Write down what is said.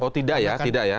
oh tidak ya